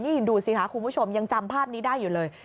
นี่ดูสิคะคุณผู้ชมยังจำภาพนี้ได้อยู่เลย